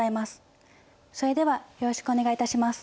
それではよろしくお願いいたします。